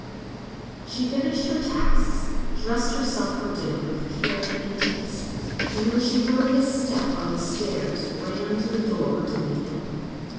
She finished her tasks, dressed herself for dinner with care and taste, and when she heard his step on the stairs ran to the door to meet him.